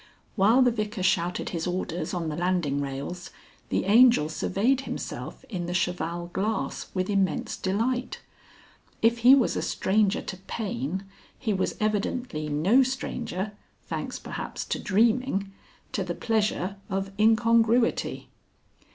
While the Vicar shouted his orders on the landing rails, the Angel surveyed himself in the cheval glass with immense delight. If he was a stranger to pain, he was evidently no stranger thanks perhaps to dreaming to the pleasure of incongruity.